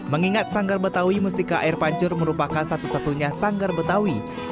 mengingat sanggar betawi mustika air pancur merupakan satu satunya sanggar betawi